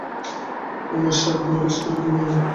উমেশ, শাকগুলো বেশ করে ধুয়ে নিয়ে আয়।